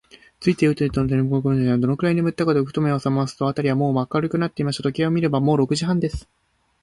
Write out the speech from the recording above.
ついウトウトねむりこんでしまったのです。どのくらいねむったのか、ふと目をさますと、あたりはもう明るくなっていました。時計を見れば、もう六時半です。